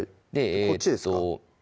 こっちですか？